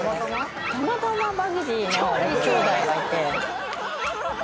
たまたまバグジーのきょうだいがいて。